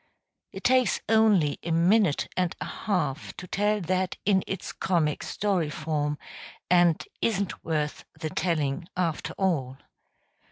It takes only a minute and a half to tell that in its comic story form; and isn't worth the telling, after all.